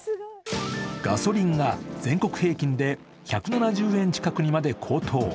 ガソリンが全国平均で１７０円近くにまで高騰。